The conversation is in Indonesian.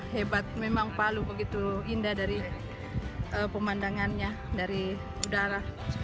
hebat memang palu begitu indah dari pemandangannya dari udara